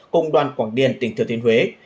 cùng đoàn quảng điền tỉnh thừa thiên huế